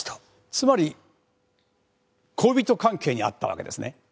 つまり恋人関係にあったわけですね？